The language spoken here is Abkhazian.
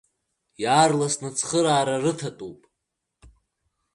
Иаарласны ацхыраара рыҭатәуп!